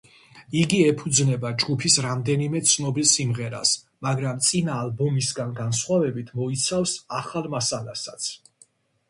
იგი ეფუძნება ჯგუფის რამდენიმე ცნობილ სიმღერას, მაგრამ, წინა ალბომისგან განსხვავებით, მოიცავს ახალ მასალასაც.